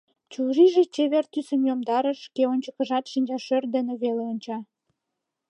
Чурийже чевер тӱсым йомдарыш, шке ончыкыжат шинчашӧр дене веле онча.